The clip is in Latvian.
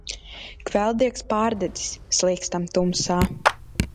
Kvēldiegs pārdedzis, slīgstam tumsā.